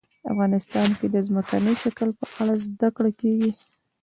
افغانستان کې د ځمکنی شکل په اړه زده کړه کېږي.